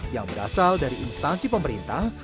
yang berasal dari instansi pemerintah